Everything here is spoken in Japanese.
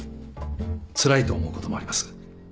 つらいと思うこともあります。